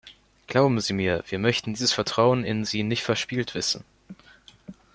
Glauben Sie mir, wir möchten dieses Vertrauen in Sie nicht verspielt wissen.